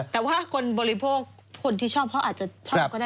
แต่ว่าคนบริโภคคนที่ชอบเขาอาจจะชอบก็ได้